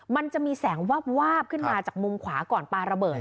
มันจะมีแสงวาบขึ้นมาจากมุมขวาก่อนปลาระเบิด